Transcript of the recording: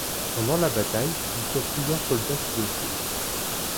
Pendant la bataille, il sauve plusieurs soldats sous le feu.